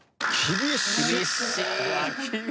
厳しい。